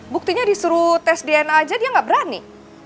buktinya disuruh tes dna aja dia nggak berani